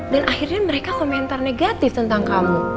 dan akhirnya mereka komentar negatif tentang kamu